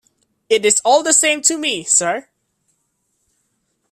It is all the same to me, sir.